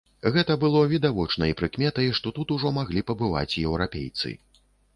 Гэта было відавочнай прыкметай, што тут ужо маглі пабываць еўрапейцы.